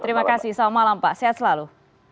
terima kasih selamat malam pak sehat selalu